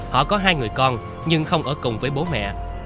họ có hai người con nhưng không ở cùng với bố mẹ